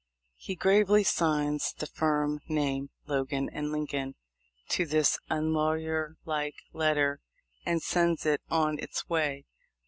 He gravely signs the firm name, Logan and Lincoln, to this unlawyerlike letter and sends it on its way.